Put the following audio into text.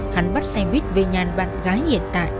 hắn bắt xe buýt về nhà bạn gái hiện tại